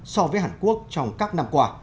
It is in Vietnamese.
so với hàn quốc trong các năm qua